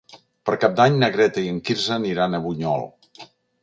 Per Cap d'Any na Greta i en Quirze aniran a Bunyol.